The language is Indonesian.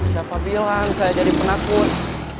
siapa bilang saya jadi penakut